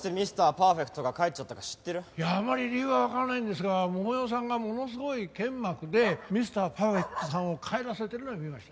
いやあまり理由はわからないんですが桃代さんがものすごい剣幕でミスター・パーフェクトさんを帰らせてるのは見ました。